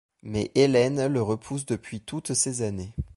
Mais Ellen le repousse depuis toutes ces années.